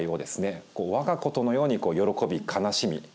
我がことのように喜び悲しみ